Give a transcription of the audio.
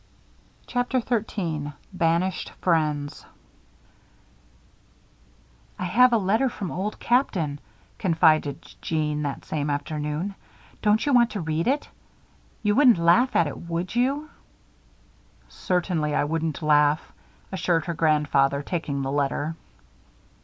CHAPTER XIII BANISHED FRIENDS "I have a letter from Old Captain," confided Jeanne, that same afternoon. "Don't you want to read it? You wouldn't laugh at it, would you?" "Certainly I wouldn't laugh," assured her grandfather, taking the letter.